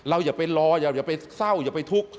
อย่าไปรออย่าไปเศร้าอย่าไปทุกข์